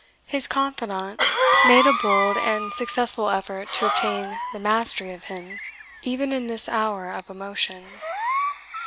His confidant made a bold and successful effort to obtain the mastery of him even in this hour of emotion.